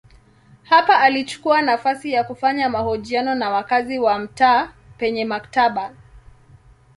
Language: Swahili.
Hapa alichukua nafasi ya kufanya mahojiano na wakazi wa mtaa penye maktaba.